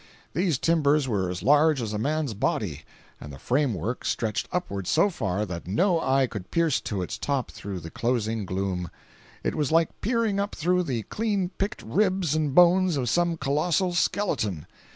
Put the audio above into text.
These timbers were as large as a man's body, and the framework stretched upward so far that no eye could pierce to its top through the closing gloom. It was like peering up through the clean picked ribs and bones of some colossal skeleton.